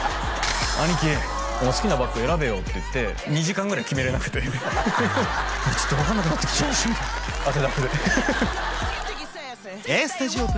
兄貴好きなバッグ選べよって言って２時間ぐらい決めれなくてちょっと分かんなくなってきちゃいました